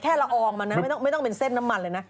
แค่ละอองมาไม่ต้องเป็นเส้นน้ำมันเลย